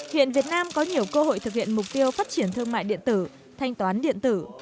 hiện việt nam có nhiều cơ hội thực hiện mục tiêu phát triển thương mại điện tử thanh toán điện tử